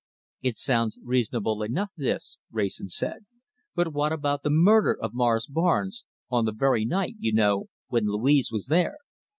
"It sounds reasonable enough, this," Wrayson said; "but what about the murder of Morris Barnes, on the very night, you know, when Louise was there?"